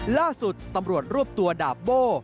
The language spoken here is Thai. ล่าสุดตำรวจรวบตัวดาบโบ้